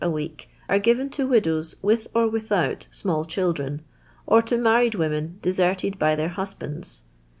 a week are given to widows with or without small chil dren, or to married women deserted by their husbands.